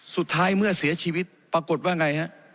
สุดท้ายเมื่อเสียชีวิตปรากฏว่าไงฮะ